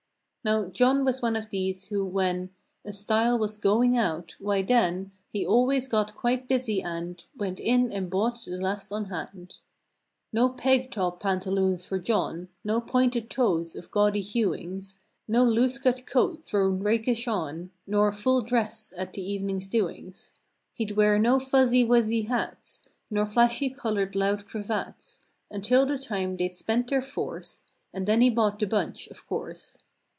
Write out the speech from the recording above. Now John was one of these, who, when A style was "going out," why then He always got quite busy and Went in and bought the last on hand. No "peg top" pantaloons for John. No "pointed toes" of gaudy hueings; No loose cut coat thrown rakish on; Nor "full dress" at the evening's doings." He'd wear no "fuzzy wuzzy" hats. Nor flashy colored loud cravats Until the time they'd "spent their force" And then he bought the bunch, of course.